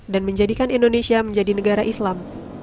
dan menjadikan indonesia menjadi negara islam